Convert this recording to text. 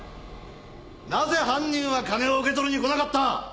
なぜ犯人は金を受け取りに来なかった！